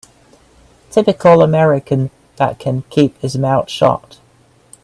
Typical American that can keep his mouth shut.